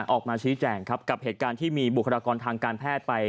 ออกมาชี้แจงครับกับเหตุการณ์ที่มีบุคลากรทางการแพทย์ไป